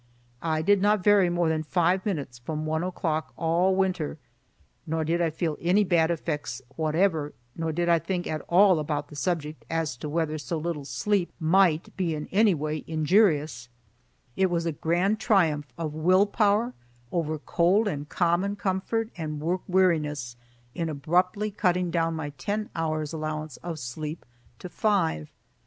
I did not vary more than five minutes from one o'clock all winter, nor did I feel any bad effects whatever, nor did I think at all about the subject as to whether so little sleep might be in any way injurious; it was a grand triumph of will power over cold and common comfort and work weariness in abruptly cutting down my ten hours' allowance of sleep to five.